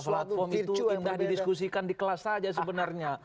ya platform itu tidak didiskusikan di kelas saja sebenarnya